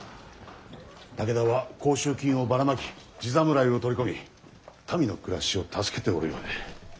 武田は甲州金をばらまき地侍を取り込み民の暮らしを助けておるようで。